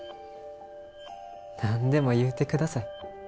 何でも言うて下さい。